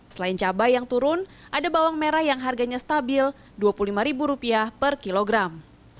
selain cabai yang turun ada bawang merah yang harganya stabil rp dua puluh lima per kilogram